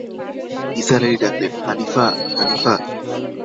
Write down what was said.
নিসার আলি ডাকলেন, হানিফা, হানিফা।